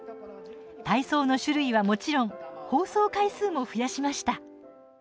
体操の種類はもちろん放送回数も増やしました。